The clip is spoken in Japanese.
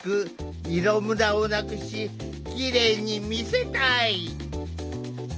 色むらをなくしきれいに見せたい。